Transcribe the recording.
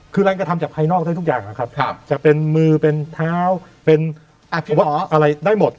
คือแรงกระทำจากภายนอกได้ทุกอย่างนะครับจะเป็นมือเป็นเท้าเป็นหัวอะไรได้หมด